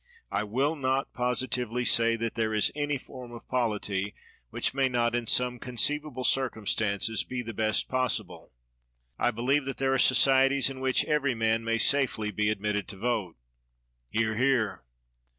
I will not positively say that there is 127 THE WORLD'S FAMOUS ORATIONS any form of polity which may not, in some eon eeivable circumstanees, be the best possible. I be lieve that there are societies in which every mai may safely be admitted to vote. [Hear! hear!